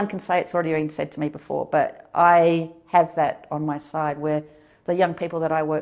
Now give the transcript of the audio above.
kemampuan yang saya kerjakan mengembangkan